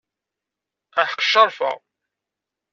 Aḥeq Ccerfa.